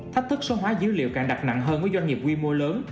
thách thức số hóa dữ liệu càng đặt nặng hơn với doanh nghiệp quy mô lớn